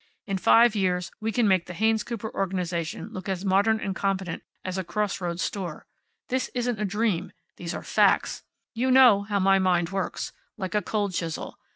In five years we can make the Haynes Cooper organization look as modern and competent as a cross roads store. This isn't a dream. These are facts. You know how my mind works. Like a cold chisel.